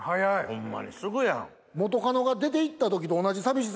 ホンマにすぐやん。